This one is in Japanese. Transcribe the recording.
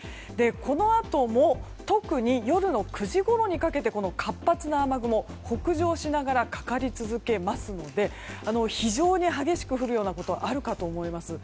このあとも特に夜の９時ごろにかけて活発な雨雲が北上しながらかかり続けますので非常に激しく降るようなことがあるかと思います。